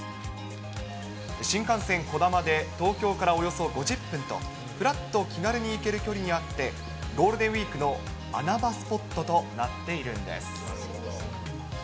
新幹線こだまで、東京からおよそ５０分と、ふらっと気軽に行ける距離にあって、ゴールデンウィークの穴場スポットとなっているんです。